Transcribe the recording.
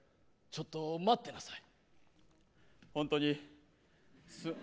ちょっと待ってなさい。